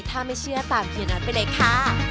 ถ้าไม่เชื่อตามเฮียน็อตไปเลยค่ะ